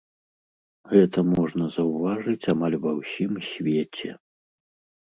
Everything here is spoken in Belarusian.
Гэта можна заўважыць амаль ва ўсім свеце.